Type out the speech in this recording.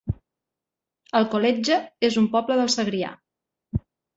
Alcoletge es un poble del Segrià